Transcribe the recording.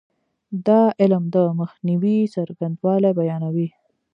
دا علم د مخنیوي څرنګوالی بیانوي.